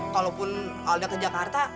kalaupun alda ke jakarta